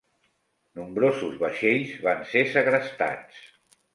Nombrosos vaixells van ser segrestats.